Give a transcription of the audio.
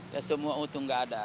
ya semua utuh nggak ada